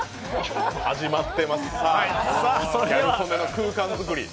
始まっております、さあ、ギャル曽根の空間作り。